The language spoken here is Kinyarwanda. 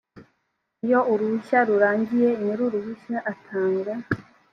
iyo uruhushya rurangiye nyir uruhushya atanga